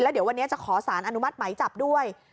เดี๋ยววันนี้จะขอสารอนุมัติไหมจับด้วย